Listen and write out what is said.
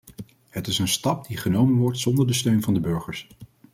Het is een stap die genomen wordt zonder de steun van de burgers.